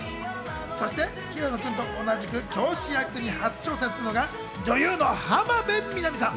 平野君と同じく教師役に初挑戦するのが女優の浜辺美波さん。